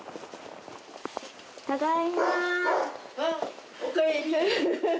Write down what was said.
ただいま。